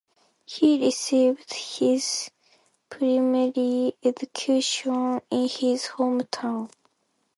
He received his primary education in his hometown.